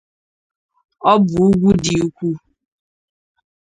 Ọ bụ ugwu di ụkwụ.